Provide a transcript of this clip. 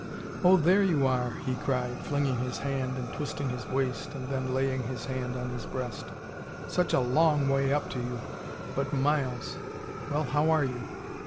"Oh, there you ARE!" he cried, flinging his hand and twisting his waist and then laying his hand on his breast. "Such a LONG way up to you! But miles ! Well, how are you?